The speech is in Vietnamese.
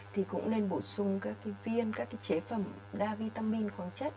thì cũng nên bổ sung các viên các chế phẩm đa vitamin khoáng chất